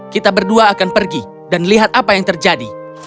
kita berdua akan pergi dan lihat apa yang terjadi